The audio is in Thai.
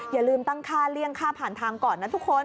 อย่าลืมตั้งค่าเลี่ยงค่าผ่านทางก่อนนะทุกคน